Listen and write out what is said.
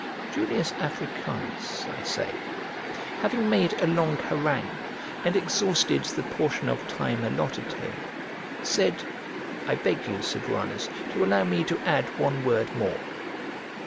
Julius Africanus, I say, having made a long harangue, and exhausted the portion of time allotted to him, said, "I beg you, Suburanus, to allow me to add one word more."